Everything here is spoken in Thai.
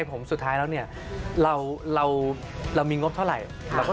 คุณผู้ชมไม่เจนเลยค่ะถ้าลูกคุณออกมาได้มั้ยคะ